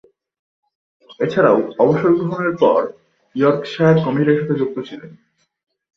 এছাড়াও, অবসর গ্রহণের পর ইয়র্কশায়ার কমিটির সাথে যুক্ত ছিলেন।